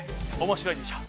面白い。